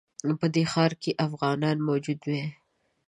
په دې ښار کې افغانان موجود وای.